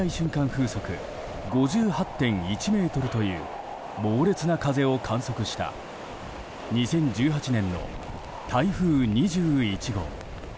風速５８．１メートルという猛烈な風を観測した２０１８年の台風２１号。